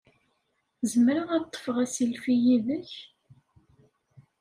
Zemreɣ ad ṭṭfeɣ asilfi yid-k?